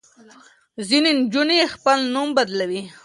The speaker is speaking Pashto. ځینې نجونې خپل نوم بدلوي.